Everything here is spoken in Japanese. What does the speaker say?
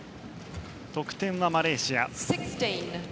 得点はマレーシア。